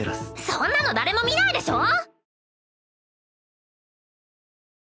そんなの誰も見ないでしょ！